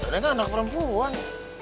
neng kan anak perempuan